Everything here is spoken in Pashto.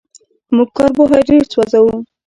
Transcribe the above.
موږ کاربوهایډریټ سوځوو